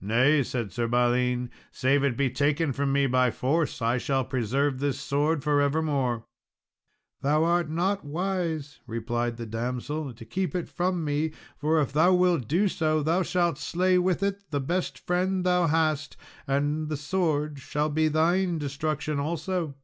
"Nay," said Sir Balin, "save it be taken from me by force, I shall preserve this sword for evermore." "Thou art not wise," replied the damsel, "to keep it from me; for if thou wilt do so, thou shalt slay with it the best friend thou hast, and the sword shall be thine destruction also."